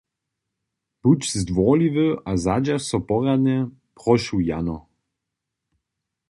Budź zdwórliwy a zadźerž so porjadnje, prošu, Jano!